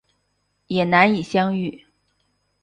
也难以相遇